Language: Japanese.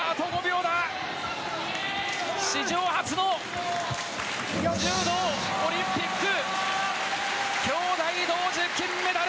史上初の柔道オリンピック兄妹同時金メダル！